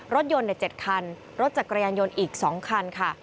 รถยนต์๗คันรถจักรยานยนต์อีก๒คันค่ะ